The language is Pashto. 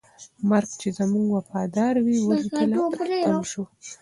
مرګ چې زموږ وفاداري ولیدله، تم شو.